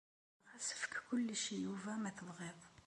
Ɣas efk kullec i Yuba ma tebɣiḍ.